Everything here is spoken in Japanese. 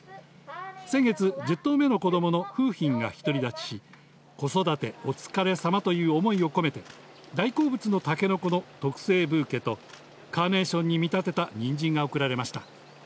先月１０頭目の子供の楓浜が独り立ちし、子育てお疲れ様という思いを込めて、大好物のタケノコの特製ブーケと、カーネーションに見立てた、にんじんが贈られました。